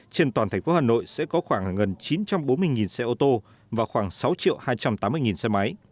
trên toàn thành phố hà nội sẽ có khoảng gần chín trăm bốn mươi xe ô tô và khoảng sáu hai trăm tám mươi xe máy